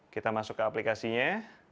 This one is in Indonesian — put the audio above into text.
kita masuk ke aplikasinya